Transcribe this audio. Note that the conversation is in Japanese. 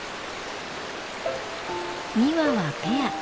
２羽はペア。